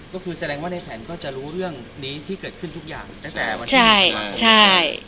ก็คือแสดงว่าในแผนก็จะรู้เรื่องนี้ที่เกิดขึ้นทุกอย่าง